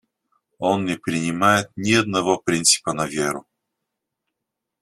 Он не принимает ни одного принципа на веру.